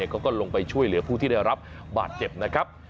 เขาก็ลงไปช่วยเหลือผู้ที่ได้รับบาดเจ็บนะครับ